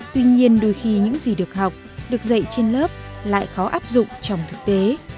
tuy nhiên đôi khi những gì được học được dạy trên lớp lại khó áp dụng trong thực tế